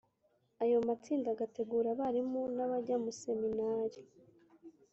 ayo matsinda agategura abarimu n'abajya mu seminari.